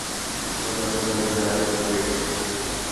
ওরা জানতে পারবে কাকে আমি বিয়ে করেছি।